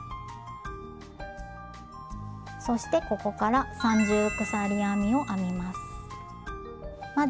そしてここから三重鎖編みを編みます。